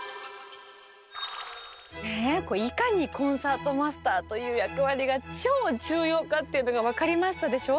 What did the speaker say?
ねえいかにコンサートマスターという役割が超重要かっていうのが分かりましたでしょ。